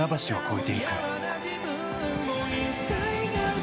え